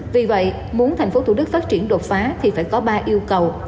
vì vậy muốn tp thủ đức phát triển đột phá thì phải có ba yêu cầu